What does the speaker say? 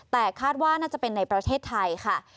แต่คาดว่าน่าจะเป็นในประเทศไทยค่ะ